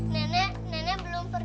nenek kamu sudah meninggal